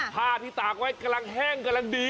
ผ้าที่ตากไว้กำลังแห้งกำลังดี